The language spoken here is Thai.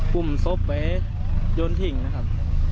ปุ่มซบไปโดนทิ้งนะครับ